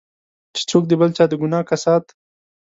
چې څوک د بل چا د ګناه کسات.